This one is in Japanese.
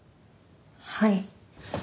はい。